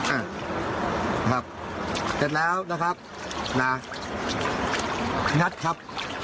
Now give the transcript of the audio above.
อ่านะครับเสร็จแล้วนะครับนะงัดครับ